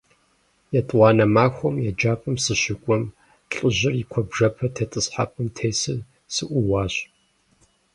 ЕтӀуанэ махуэм еджапӏэм сыщыкӀуэм, лӀыжьыр я куэбжэпэ тетӀысхьэпӀэм тесу сыӀууащ.